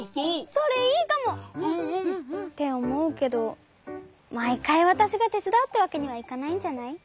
それいいかも。っておもうけどまいかいわたしがてつだうってわけにはいかないんじゃない？